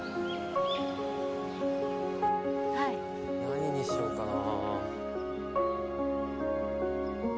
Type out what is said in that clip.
何にしようかな。